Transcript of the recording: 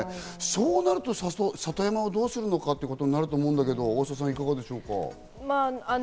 そうなると里山をどうするのかということになるんだけど、大沢さん、いかがでしょうか？